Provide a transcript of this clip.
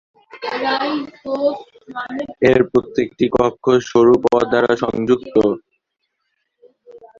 এর প্রত্যেকটি কক্ষ সরু পথ দ্বারা সংযুক্ত।